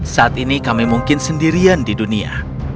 saat ini kami mungkin sendirian di dunia